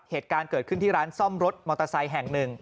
เหตุการณ์เกิดขึ้นที่ร้านซ่อมรถมอเตอร์ไซค์แห่งหนึ่ง